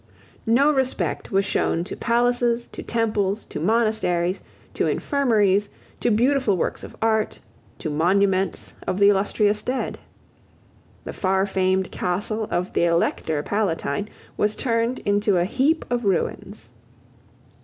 No respect was shown to palaces, to temples, to monasteries, to infirmaries, to beautiful works of art, to monuments of the illustrious dead. The farfamed castle of the Elector Palatine was turned into a heap of ruins.